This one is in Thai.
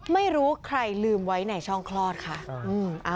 ไม่รู้ใครลืมไว้ในช่องคลอดค่ะ